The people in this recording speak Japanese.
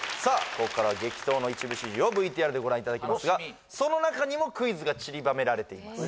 ここからは激闘の一部始終をＶＴＲでご覧いただきますがその中にもクイズがちりばめられています